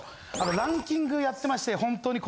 ランキングやってまして。